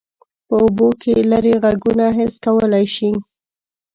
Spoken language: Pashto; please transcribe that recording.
په اوبو کې لیرې غږونه حس کولی شي.